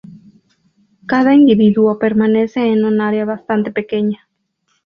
Cada individuo permanece en un área bastante pequeña.